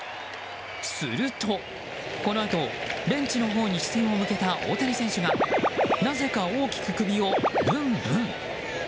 すると、このあとベンチのほうに視線を向けた大谷選手がなぜか大きく首をぶんぶん。